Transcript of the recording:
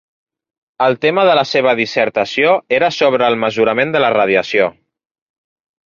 El tema de la seva dissertació era sobre el mesurament de la radiació.